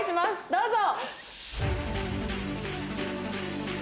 どうぞ！